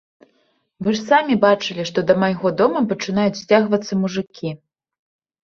Вы ж самі бачылі, што да майго дома пачынаюць сцягвацца мужыкі.